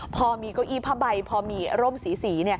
พอมีเก้าอี้ผ้าใบพอมีร่มสี